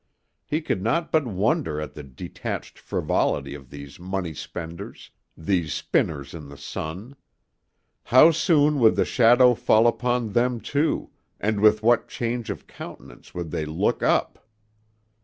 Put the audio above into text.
He could not but wonder at the detached frivolity of these money spenders, these spinners in the sun. How soon would the shadow fall upon them too and with what change of countenance would they look up!